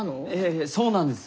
ええそうなんです。